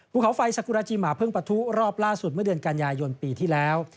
ภูเขาไฟสกุราจีหมาเพิ่งปะทุรอบล่าสุดเมื่อเดือนกันยายนปีที่แล้ว